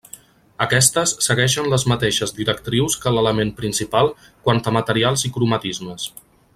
Aquestes segueixen les mateixes directrius que l'element principal quant a materials i cromatismes.